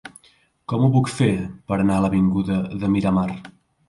Com ho puc fer per anar a l'avinguda de Miramar?